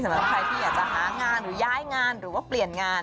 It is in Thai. สำหรับใครที่อยากจะหางานหรือย้ายงานหรือว่าเปลี่ยนงาน